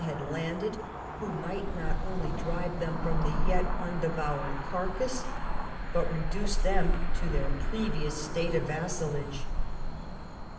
137 had landed, who might not only drive them from the yet undevoured carcase, but reduce them to their previous state of vassalage.